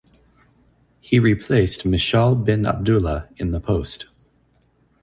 He replaced Mishaal bin Abdullah in the post.